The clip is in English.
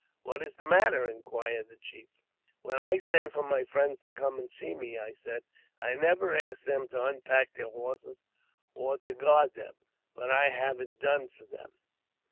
" What is the matter? " inquired the chief. " When I send for my friends to come and see me," I said, ■ I never ask them to unpack their horses or to guard them, but I have it done for them."